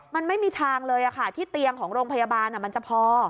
มันไม่มีทางเลยที่เตียงของโรงพยาบาลมันจะพอ